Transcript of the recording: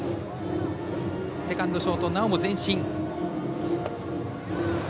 セカンド、ショートなおも前進。